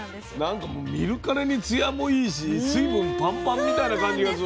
なんか見るからにつやもいいし水分パンパンみたいな感じがする。